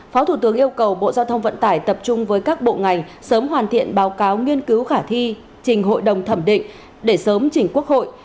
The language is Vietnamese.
phó thủ tướng yêu cầu bộ giao thông vận tải tập trung với các bộ ngành sớm hoàn thiện báo cáo nghiên cứu khả thi trình hội đồng thẩm định để sớm chỉnh quốc hội